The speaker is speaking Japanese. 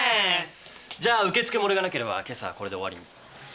じゃあ受け付け漏れがなければ今朝はこれで終わりに。